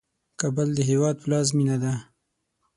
کابل د هیواد پلازمېنه ده.